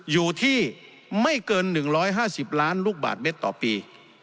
อยู่ที่ไม่เกิน๑๕๐ล้านลูกบาทเมตรต่อปี